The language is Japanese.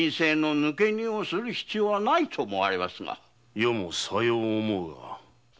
余もさよう思うが。